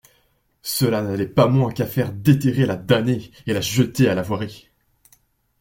Cela n'allait pas moins qu'à faire déterrer la damnée et la jeter à la voirie.